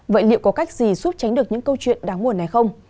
vậy liệu có cách gì giúp tránh được những câu chuyện đáng buồn này không